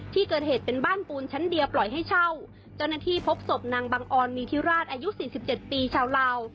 ที่เกิดเหตุเป็นบ้านปูนชั้นเดียวปล่อยให้เช่าเจ้าหน้าที่พบศพนางบังออนมีทิราชอายุสี่สิบเจ็ดปีชาวลาว